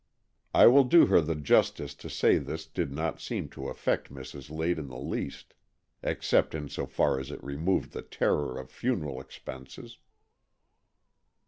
I will do her the justice to say this did not seem to affect Mrs. Lade in the least, except in so far as it removed the terror of funeral expenses.